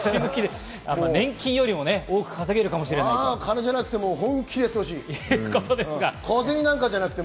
年金よりも多く稼げるかもしれないと。